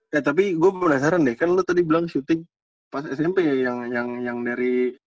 ya tapi gue penasaran deh kan lo tadi bilang syuting pas smp ya yang dari